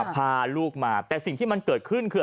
พาลูกมาแต่สิ่งที่มันเกิดขึ้นคือ